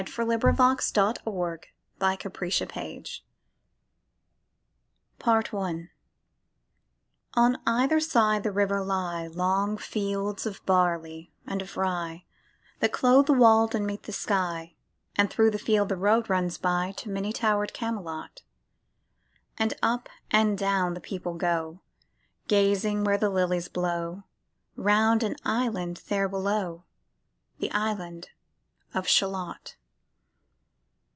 THE LADY OF SHALOTT Alfred Lord Tennyson PART I On either side the river lie Long fields of barley and of rye, That clothe the wold and meet the sky; And thro' the field the road runs by To many tower'd Camelot; And up and down the people go, Gazing where the lilies blow Round an island there below, The island of Shalott.